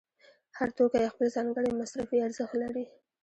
هر توکی خپل ځانګړی مصرفي ارزښت لري